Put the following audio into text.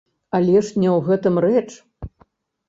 Але ж не ў гэтым рэч.